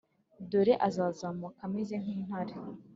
Dore azazamuka ameze nk intare